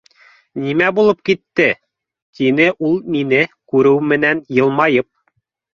Нимә булып китте? — тине ул мине күреү менән йылмайып.